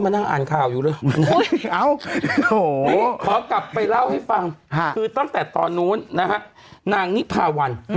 เอาเขาออกไปเล่าให้ฟังตั้งแต่ตอนโน้นนางนิพาวัน